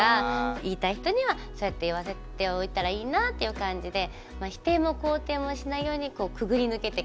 言いたい人にはそうやって言わせておいたらいいなっていう感じで否定も肯定もしないようにくぐり抜けてきた感じです。